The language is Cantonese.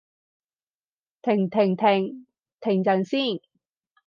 停停停！停陣先